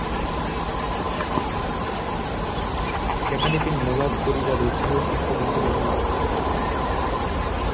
সেখানে তিনি নবাব পরিবারের গৃহ-শিক্ষক হিসেবে নিয়োগ পান।